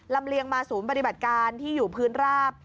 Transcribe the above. เลียงมาศูนย์ปฏิบัติการที่อยู่พื้นราบ